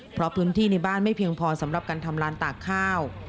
เพราะพื้นที่ในบ้านไม่เพียงพอสำหรับการทำลานตากข้าว